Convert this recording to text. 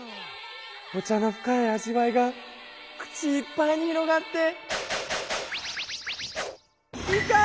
お茶の深い味わいが口いっぱいに広がって。